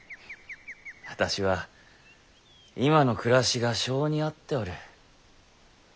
私は今の暮らしが性に合っておる。